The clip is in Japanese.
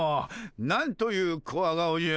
なんというコワ顔じゃ。